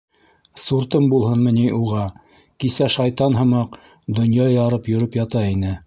Суртым булһынмы ни уға, кисә шайтан һымаҡ донъя ярып йөрөп ята ине.